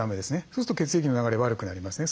そうすると血液の流れ悪くなりますね。